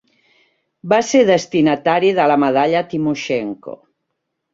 Va ser destinatari de la medalla Timoshenko.